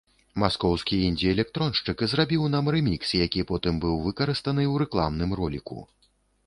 Маскоўскі індзі-электроншчык зрабіў нам рэмікс, які потым быў выкарыстаны ў рэкламным роліку.